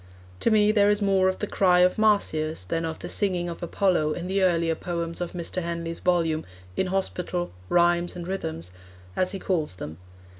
To me there is more of the cry of Marsyas than of the singing of Apollo in the earlier poems of Mr. Henley's volume, In Hospital: Rhymes and Rhythms, as he calls them.